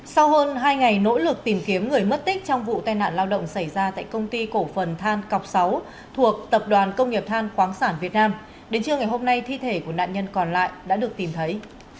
sau hơn hai ngày nỗ lực tìm kiếm người mất tích trong vụ tai nạn lao động xảy ra tại công ty cổ phần than cọc sáu thuộc tập đoàn công nghiệp than khoáng sản việt nam đến trưa ngày hôm nay thi thể của nạn nhân còn lại đã được tìm thấy